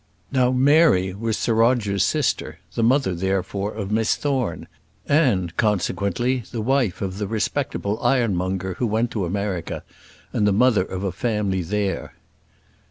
Now Mary was Sir Roger's sister, the mother, therefore, of Miss Thorne, and, consequently, the wife of the respectable ironmonger who went to America, and the mother of a family there.